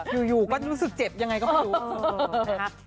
อยู่ก็รู้สึกเจ็บยังไงก็พอดู